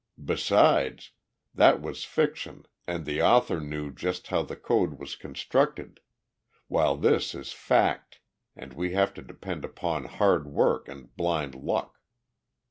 "Besides, that was fiction and the author knew just how the code was constructed, while this is fact and we have to depend upon hard work and blind luck.